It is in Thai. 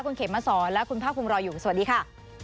คุณเขมมาสอนและคุณภาคภูมิรออยู่สวัสดีค่ะ